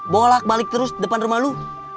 bolak balik terus depan rumah lu